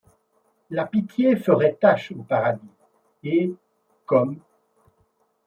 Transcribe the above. La pitié ferait tache au paradis ; et, comme